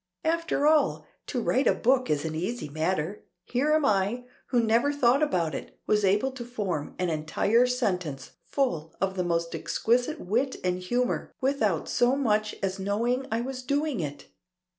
After all to write a book is an easy matter; here am I, who never thought about it, was able to form an entire sentence full of the most exquisite wit and humor without so much as knowing I was doing it.